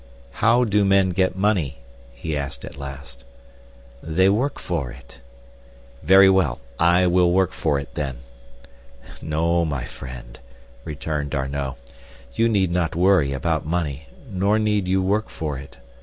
"How do men get money?" he asked at last. "They work for it." "Very well. I will work for it, then." "No, my friend," returned D'Arnot, "you need not worry about money, nor need you work for it.